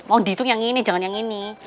mau dihitung yang ini jangan yang ini